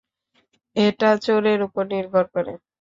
এটা চোরের উপর নির্ভর করে।